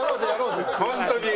本当に！